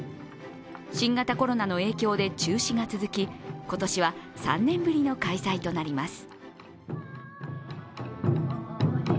新型コロナの影響で中止が続き、今年は３年ぶりの開催となります。